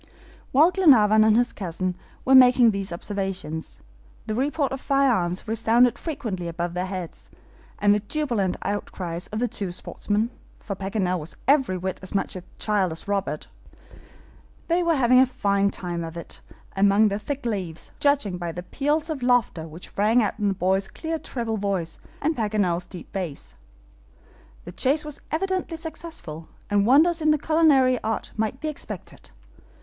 While Glenarvan and his cousin were making these observations, the report of firearms resounded frequently above their heads, and the jubilant outcries of the two sportsmen for Paganel was every whit as much a child as Robert. They were having a fine time of it among the thick leaves, judging by the peals of laughter which rang out in the boy's clear treble voice and Paganel's deep bass. The chase was evidently successful, and wonders in culinary art might be expected.